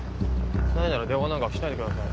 ないなら電話なんかしないでください。